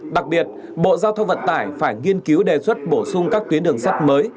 đặc biệt bộ giao thông vận tải phải nghiên cứu đề xuất bổ sung các tuyến đường sắt mới